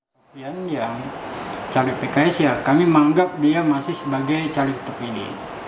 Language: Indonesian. sofian yang caleg pks ya kami menganggap dia masih sebagai caleg terpilih